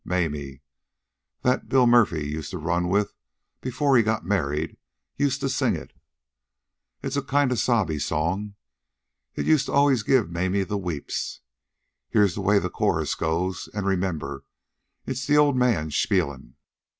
Mamie, that Billy Murphy used to run with before he got married, used to sing it. It's a kind of a sobby song. It used to always give Mamie the weeps. Here's the way the chorus goes an' remember, it's the old man spielin'."